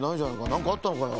なんかあったのかよ。